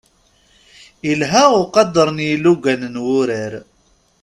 Ilha uqader n yilugan n wurar.